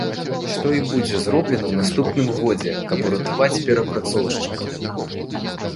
Што і будзе зроблена ў наступным годзе, каб уратаваць перапрацоўшчыкаў.